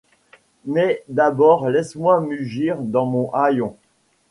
Mais d’abord laisse-moi mugir dans mon haillon.